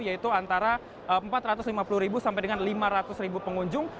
yaitu antara empat ratus lima puluh sampai dengan lima ratus pengunjung